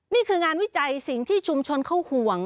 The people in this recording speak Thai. นี่คืองานวิจัยสิ่งที่ชุมชนเขาห่วง